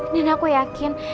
dan aku yakin